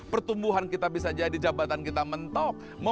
pertumbuhan kita bisa jadi jabatan kita mentok